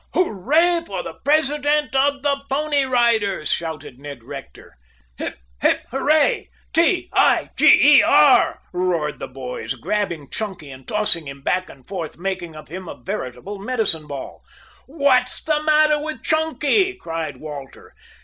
"Hooray for the president of the Pony Riders!" shouted Ned Rector. "Hip hip hooray! T i g e r!" roared the boys, grabbing Chunky and tossing him back and forth, making of him a veritable medicine ball. "What's the matter with Chunky?" cried Walter.